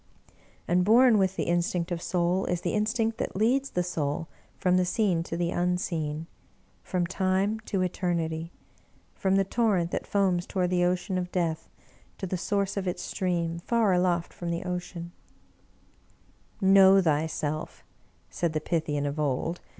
And born with the instinct of soul is the instinct that leads the soul from the seen to the unseen, , from time to eternity, from the torrent that foams toward the Ocean of Death, to the source of its stream, far aloft from the Ocean. " Know thyself," said the Pythian of old.